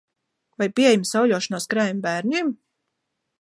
Vai pieejami sauļošanās krēmi bērniem?